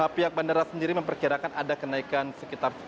pihak bandara sendiri memperkirakan ada kenaikan sekitar lima belas